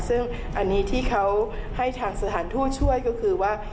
ซึ่งอันนี้ที่เขาให้ทางสถานทูตช่วยก็คือว่า